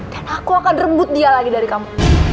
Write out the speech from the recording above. dan aku akan rebut dia lagi dari kamu